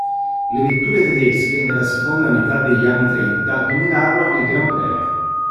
Le vetture tedesche nella seconda metà degli anni trenta dominarono il Gran Premio.